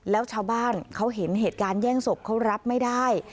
แล้วชาวบ้านเขาเห็นเหตุการณ์แย่งศพเขารับไม่ได้